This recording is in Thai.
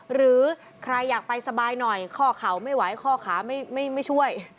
หรือใครอยากไปสบายหน่อยข้อเข่าไม่ไหวข้อขาไม่ช่วย